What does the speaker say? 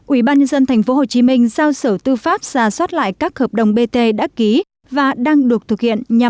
ủy ban nhân dân tp hcm giao sở tư pháp ra soát lại các hợp đồng bt đã ký và đang được thực hiện